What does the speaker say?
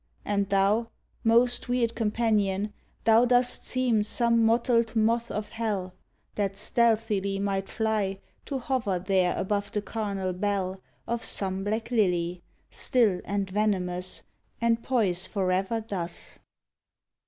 And thou, most weird companion, thou dost seem Some mottled moth of Hell, That stealthily might fly To hover there above the carnal bell Of some black lily, still and venomous. And poise forever thus.